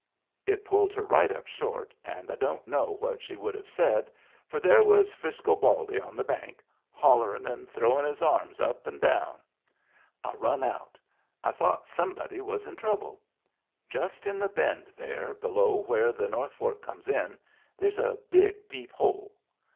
It pulled her right up short and I don't know Digitized by VjOOQIC aso MEMBERS OF THE FAMILY what she would have said, for there was Frisco Baldy on the bank, hoUerin' and throwin* his arms up and down. I run out I thought somebody was in trouble. Just in the bend there below where the North Fork comes in, there's a big deep hole.